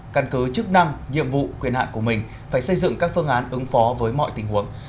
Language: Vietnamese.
căn cứ chức năng nhiệm vụ quyền hạn của mình phải xây dựng các phương án ứng phó với mọi tình huống